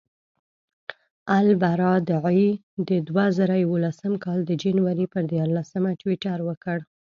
البرادعي د دوه زره یولسم کال د جنورۍ پر دیارلسمه ټویټر وکړ.